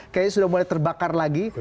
kayaknya sudah mulai terbakar lagi